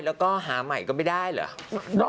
แล้วก็หาใหม่ก็ไม่ได้เหรอ